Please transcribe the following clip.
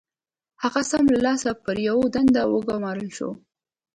هغه سم له لاسه پر يوه دنده وګومارل شو.